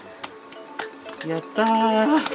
やった。